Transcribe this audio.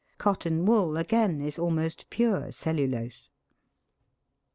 Cotton wool, again, is almost pure cellulose.